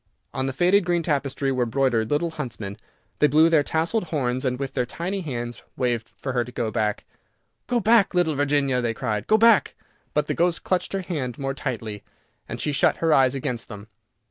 On the faded green tapestry were broidered little huntsmen. They blew their tasselled horns and with their tiny hands waved to her to go back. "Go back! little Virginia," they cried, "go back!" but the ghost clutched her hand more tightly, and she shut her eyes against them.